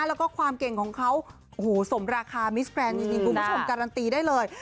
แล้วก็ความเก่งของเขาโอ้โหสมราคามิสแกรนด์จริงคุณผู้ชมการันตีได้เลย